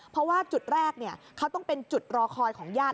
เพราะว่าจุดแรกเขาต้องเป็นจุดรอคอยของญาติ